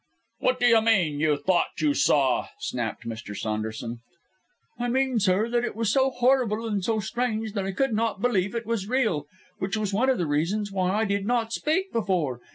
"What do you mean you thought you saw?" snapped Mr. Saunderson. "I mean, sir, that it was so horrible and so strange that I could not believe it was real which is one of the reasons why I did not speak before.